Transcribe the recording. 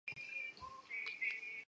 海鸥学园的奇妙传言之一。